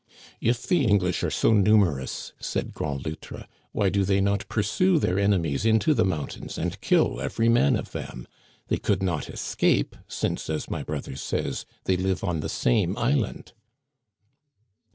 "If the English are so numerous," said Grand Loutre, " why do they not pursue their enemies into the mountains and kill every man of them ? They could not escape, since, as my brother says, they live on the same island."